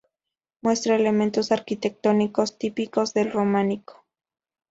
Muestra elementos arquitectónicos típicos del románico.